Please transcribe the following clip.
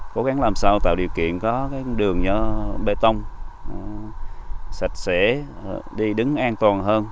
cố gắng làm sao tạo điều kiện có đường bê tông sạch sẽ đi đứng an toàn hơn